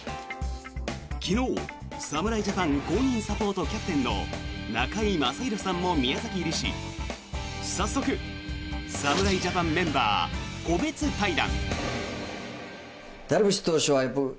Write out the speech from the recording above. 昨日、侍ジャパン公認サポートキャプテンの中居正広さんも宮崎入りし早速、侍ジャパンメンバー個別対談。